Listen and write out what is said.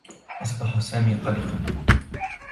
أصبح سامي قلقا.